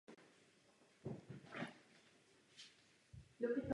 Zanikly i dva útvary založené k letům raketoplánem Buran.